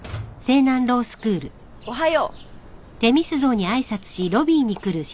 おはよう。